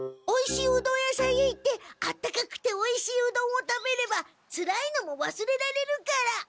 おいしいうどん屋さんへ行ってあったかくておいしいうどんを食べればつらいのもわすれられるから。